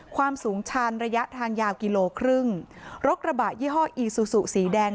ความสูงชันระยะทางยาวกิโลครึ่งรถกระบะยี่ห้ออีซูซูสีแดง